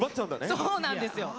そうなんですよ。